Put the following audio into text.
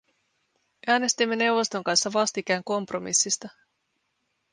Äänestimme neuvoston kanssa vastikään kompromissista.